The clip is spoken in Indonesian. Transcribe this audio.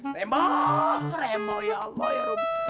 rembohh remboh ya allah ya rabbi